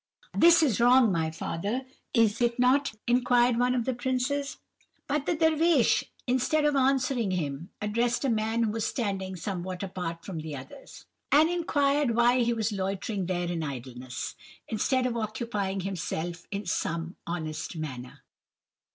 "'This is wrong, my father, is it not?' inquired one of the princes; but the Dervish, instead of answering him, addressed a man who was standing somewhat apart from the others, and inquired why he was loitering there in idleness, instead of occupying himself in some honest manner?